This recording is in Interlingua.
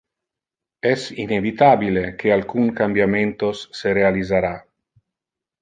Es inevitabile que alcun cambiamentos se realisara.